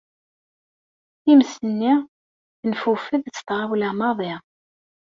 Times-nni tenfufed s tɣawla maḍi.